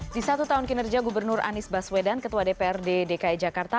di satu tahun kinerja gubernur anies baswedan ketua dprd dki jakarta